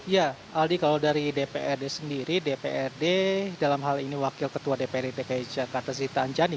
ya aldi kalau dari dprd sendiri dprd dalam hal ini wakil ketua dprd dki jakarta zita anjani